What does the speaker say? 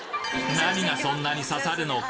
何がそんなに刺さるのか？